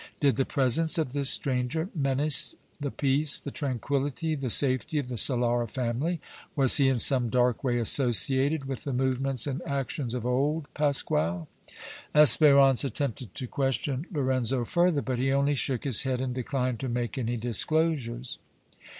Did the presence of this stranger menace the peace, the tranquillity, the safety of the Solara family? Was he in some dark way associated with the movements and actions of old Pasquale? Espérance attempted to question Lorenzo further, but he only shook his head and declined to make any disclosures.